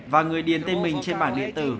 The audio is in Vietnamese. và người điền tên mình trên bản điện tử